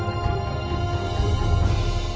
สุดท้ายสุดท้ายสุดท้าย